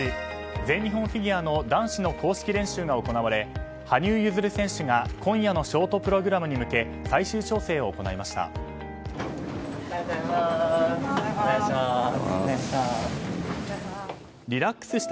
全日本フィギュアの男子の公式練習が行われ、羽生結弦選手が今夜のショートプログラムに向け最終調整を行いました。